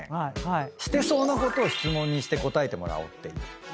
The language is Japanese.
してそうなことを質問にして答えてもらおうっていう。